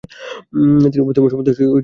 তিনি অভিধর্ম সম্বন্ধে শিক্ষা লাভ করেন।